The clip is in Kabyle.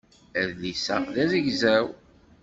Adlis-a d azegzaw.